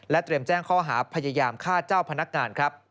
เตรียมแจ้งข้อหาพยายามฆ่าเจ้าพนักงานครับ